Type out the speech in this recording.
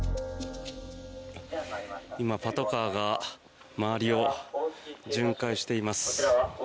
今、パトカーが周りを巡回しています。